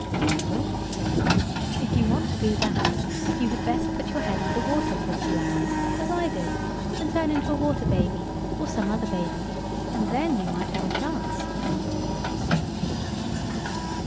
"Well," said Tom, "if you want to do that, you had best put your head under water for a few hours, as I did, and turn into a water baby, or some other baby, and then you might have a chance."